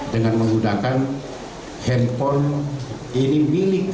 dengan menggunakan handphone ini milik